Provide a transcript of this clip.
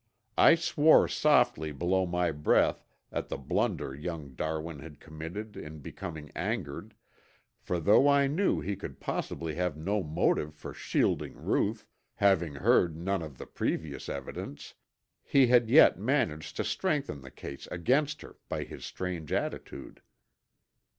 I swore softly below my breath at the blunder young Darwin had committed in becoming angered, for though I knew he could possibly have no motive for shielding Ruth, having heard none of the previous evidence, he had yet managed to strengthen the case against her by his strange attitude.